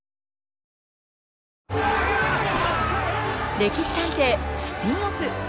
「歴史探偵」スピンオフ。